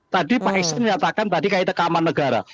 tadi pak iksan nyatakan tadi kayak tekaman negara